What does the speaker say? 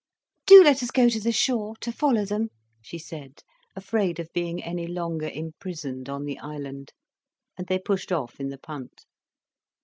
"Do let us go to the shore, to follow them," she said, afraid of being any longer imprisoned on the island. And they pushed off in the punt.